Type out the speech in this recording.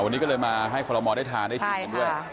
วันนี้ก็เลยมาให้คอลโมได้ทานได้ชิมกันด้วย